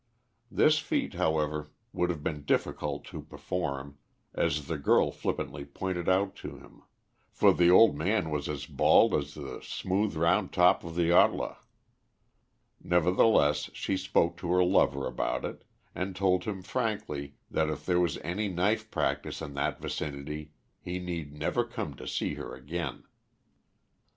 This feat, however, would have been difficult to perform, as the girl flippantly pointed out to him, for the old man was as bald as the smooth round top of the Ortler; nevertheless, she spoke to her lover about it, and told him frankly that if there was any knife practice in that vicinity he need never come to see her again.